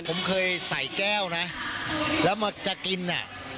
ผมเคยใส่แก้วนะแล้วมาจะกินน่ะ